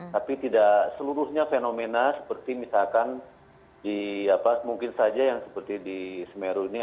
tapi tidak seluruhnya fenomena seperti misalkan mungkin saja yang seperti di semeru ini